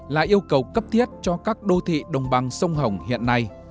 là yêu cầu cấp thiết cho các đô thị đồng bằng sông hồng hiện nay